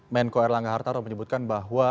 menko erlangga hartarto menyebutkan bahwa